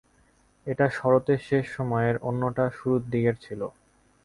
এটা শরৎের শেষ সময়ের, অন্যটা শুরুর দিকের ছিল।